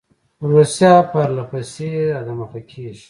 روسیه پر له پسې را دمخه کیږي.